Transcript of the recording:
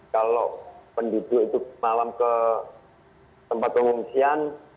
kalau penduduk itu malam ke tempat pengungsian